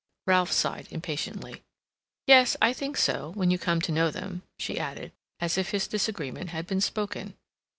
Ralph sighed impatiently. "Yes, I think so, when you come to know them," she added, as if his disagreement had been spoken.